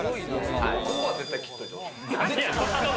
ここは絶対切っておいてほしい。